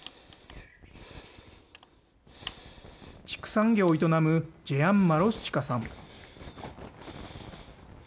畜産業を営むジェアン・マロスチカさん。